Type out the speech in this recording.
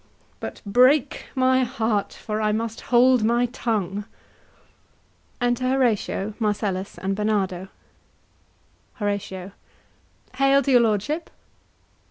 But break my heart, for I must hold my tongue. Enter Horatio, Marcellus and Barnardo. HORATIO. Hail to your lordship!